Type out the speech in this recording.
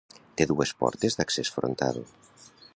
Té dues portes d'accés frontal.